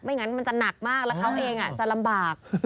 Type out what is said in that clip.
งั้นมันจะหนักมากแล้วเขาเองจะลำบาก